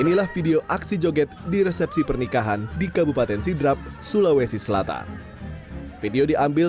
inilah video aksi joget di resepsi pernikahan di kabupaten sidrap sulawesi selatan video diambil